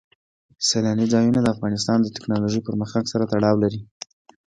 سیلانی ځایونه د افغانستان د تکنالوژۍ پرمختګ سره تړاو لري.